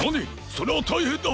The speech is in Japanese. それはたいへんだ！